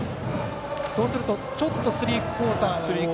そうすると、ちょっとスリークオーターのような。